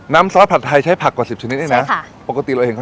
น้ำซ้อนผัดไทยใช้ผักกว่า๑๐ชนิดเองนะ